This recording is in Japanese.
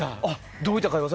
どういった会話を？